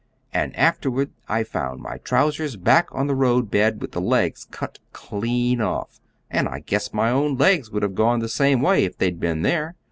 And afterward I found my trousers back on the road bed with the legs cut clean off, and I guess my own legs would have gone the same way if they'd been there.